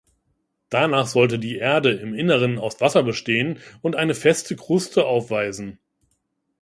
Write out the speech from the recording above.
Danach sollte die Erde im Inneren aus Wasser bestehen und eine feste Kruste aufweisen.